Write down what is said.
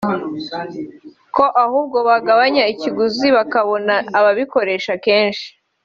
ko ahubwo bagabanya ikiguzi bakabona ababikoresha benshi